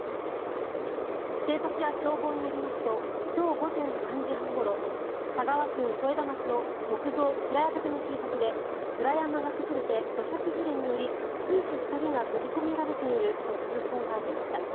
警察や消防によりますと今日午前３時半ごろ田川郡添田町の木造平屋建ての住宅で裏山が崩れて、土砂崩れにより夫婦２人が閉じ込められていると通報がありました。